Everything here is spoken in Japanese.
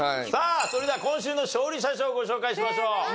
さあそれでは今週の勝利者賞ご紹介しましょう。